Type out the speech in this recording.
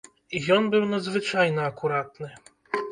Ён быў надзвычайна акуратны.